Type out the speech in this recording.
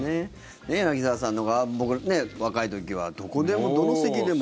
柳澤さんが若い時はどこでも、どの席でも。